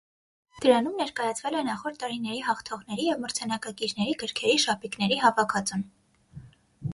Դրանում ներկայացվել է նախորդ տարիների հաղթողների և մրցանակակիրների գրքերի շապիկների հավաքածուն։